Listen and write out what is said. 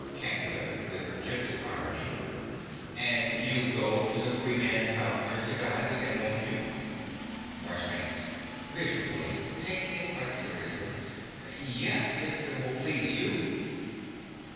CANDIDA (with gentle irony). And you'll go to the Freeman Founders to dine with him, won't you? MARCHBANKS (miserably, taking it quite seriously). Yes, if it will please you.